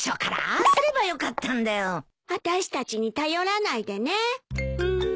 あたしたちに頼らないでね。